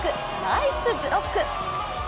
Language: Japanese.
ナイスブロック！